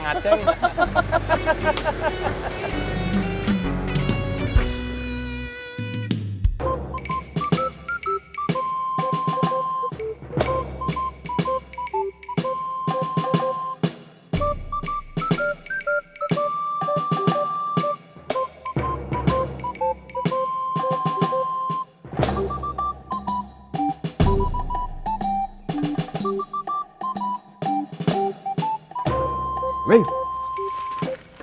padahal ngga kelihatan